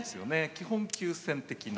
基本急戦的な。